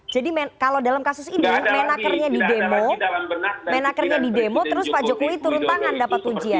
jadi kalau dalam kasus ini menakernya di demo menakernya di demo terus pak jokowi turun tangan dapat ujian